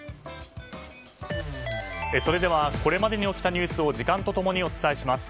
それではこれまでに起きたニュースを時間と共にお伝えします。